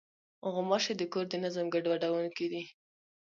غوماشې د کور د نظم ګډوډوونکې دي.